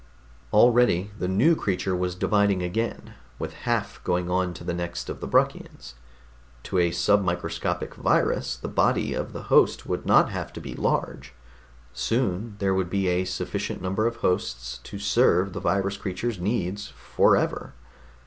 Already the new creature was dividing again, with half going on to the next of the Bruckians. To a submicroscopic virus, the body of the host would not have to be large; soon there would be a sufficient number of hosts to serve the virus creatures' needs forever.